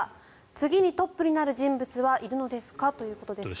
次にトップになる人物はいるのですか？ということですが。